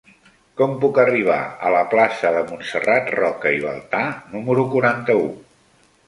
Com puc arribar a la plaça de Montserrat Roca i Baltà número quaranta-u?